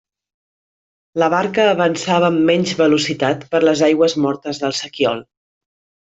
La barca avançava amb menys velocitat per les aigües mortes del sequiol.